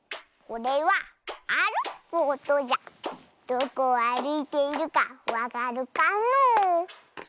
どこをあるいているかわかるかのう？